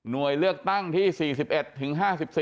โดยเลือกตั้งที่๔๑ถึง๕๔